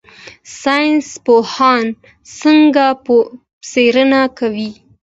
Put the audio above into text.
ساینس پوهان څنګه څیړنه کوي؟